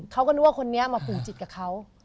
เขาก็นึกว่าคนนี้มาผูกจิตกับเขา